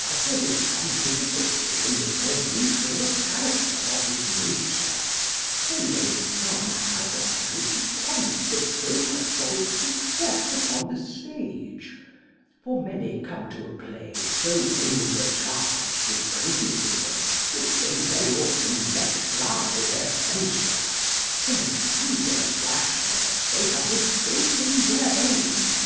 As there is some difficulty in the formation of a character of this nature, so there is some hazard which attends the progress of its success upon the stage: for many come to a play so overcharged with criticism, that they very often let fly their censure, when through their rashness they have mistaken their aim.